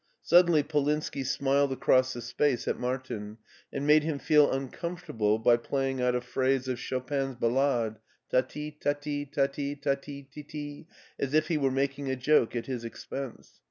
Suddenly Polinski smiled across the space at Martin and made him feel uncomfortable by playing out a phrase of Chopin's Ballade, Ta rf, Tsl H, ta rt/ta ti ti ti, as if he were making a joke at his expense.